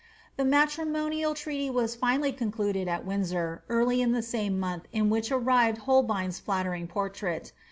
The matrimonial treaty was finally concluded at Windsor early in the same month in which arrived Holbein's flattering portrait.